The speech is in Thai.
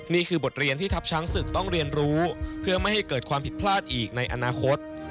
นี่คือบทเรียนที่ทัพช้างศึกต้องเรียนรู้เพื่อไม่ให้เกิดความผิดพลาดอีกในอนาคต